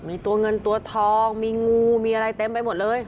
มีตัวเงินตัวทองมีงูมีอะไรเต็มไปหมดเลย